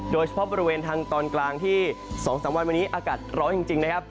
โดยเฉพาะบริเวณทางตอนกลางที่๒๓วันวันนี้อากาศร้อนจริงนะครับ